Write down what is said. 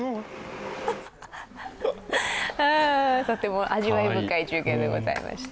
とても味わい深い中継でございました。